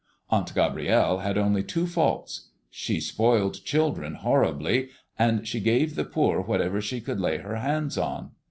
Aunt Gabrielle had only two faults: she spoiled children horribly, and she gave the poor whatever she could lay her hands on.